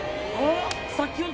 あっ！